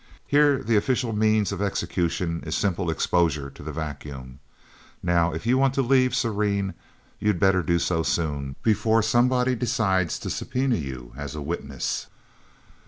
Here the official means of execution is simple exposure to the vacuum. Now, if you want to leave Serene, you'd better do so soon, before somebody decides to subpoena you as a witness..."